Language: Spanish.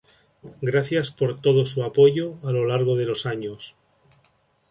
Gracias por todo su apoyo a lo largo de los años.